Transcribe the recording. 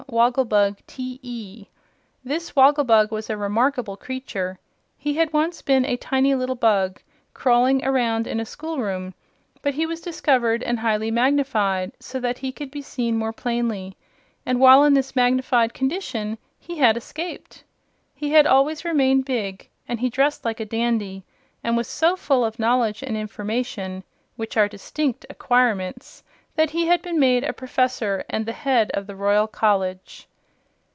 Wogglebug, T.E. This wogglebug was a remarkable creature. He had once been a tiny little bug, crawling around in a school room, but he was discovered and highly magnified so that he could be seen more plainly, and while in this magnified condition he had escaped. He had always remained big, and he dressed like a dandy and was so full of knowledge and information (which are distinct acquirements) that he had been made a Professor and the head of the Royal College.